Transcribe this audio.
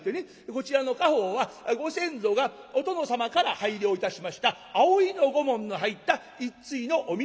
こちらの家宝はご先祖がお殿様から拝領いたしました葵の御紋の入った一対の御神酒徳利でございます。